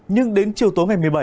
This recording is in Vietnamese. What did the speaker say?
nhưng đến chiều tối ngày một mươi bảy